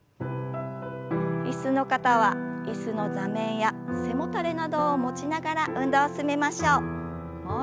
椅子の方は椅子の座面や背もたれなどを持ちながら運動を進めましょう。